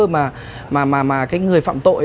mà người phạm tội